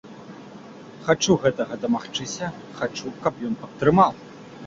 Хачу гэтага дамагчыся, хачу, каб ён падтрымаў.